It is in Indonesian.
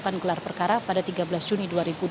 akan gelar perkara pada tiga belas juni dua ribu dua puluh